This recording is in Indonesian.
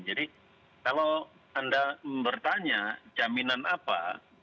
jadi kalau anda bertanya jaminan apa